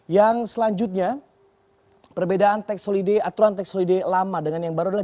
yang selanjutnya perbedaan tax holiday aturan tax holiday lama dengan yang baru adalah